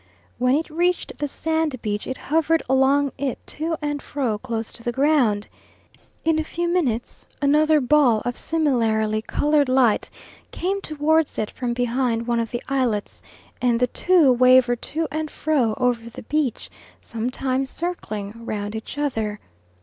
When it reached the sand beach it hovered along it to and fro close to the ground. In a few minutes another ball of similarly coloured light came towards it from behind one of the islets, and the two waver to and fro over the beach, sometimes circling round each other.